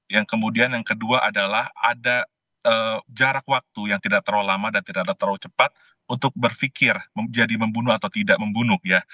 yang kemudian yang kedua adalah ada jarak waktu yang tidak terlalu lama dan tidak terlalu cepat untuk berpikir jadi membunuh atau tidak membunuh ya